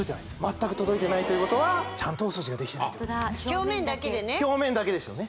全く届いてないということはちゃんとお掃除ができてないとホントだ表面だけでね表面だけですよね